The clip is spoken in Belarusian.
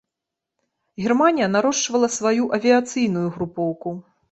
Германія нарошчвала сваю авіяцыйную групоўку.